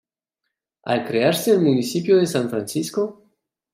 Al crearse el municipio de San Francisco.